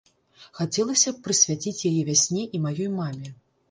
Хацелася б прысвяціць яе вясне і маёй маме.